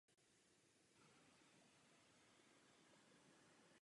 Ještě před tím ale řeku překonává historický Kozí most.